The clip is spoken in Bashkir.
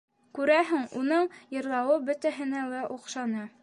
Күрәһең, уның йырлауы бөтәһенә лә оҡшаны.